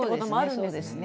そうですね。